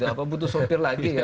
gak apa butuh sopir lagi ya